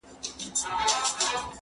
زه اوس د سبا لپاره د نوي لغتونو يادوم..